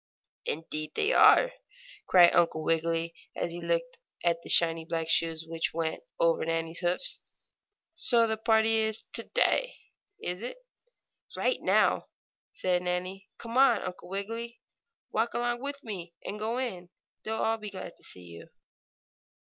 "Indeed, they are!" cried Uncle Wiggily, as he looked at the shiny black shoes which went on over Nannie's hoofs. "So the party is to day, is it?", "Right now," said Nannie. "Come on, Uncle Wiggily. Walk along with me and go in! They'll all be glad to see you!"